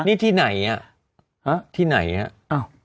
นี่ที่ไหนะฮะที่ไหนอ่ะอ้าว